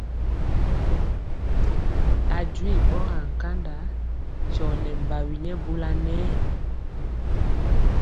A jwi ɓɔgaa nkanda tyɔ nɛ mbawi nyɛ bula nɛ.